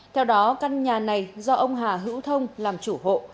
theo đó căn nhà này do ông hà hữu thông làm chủ hộ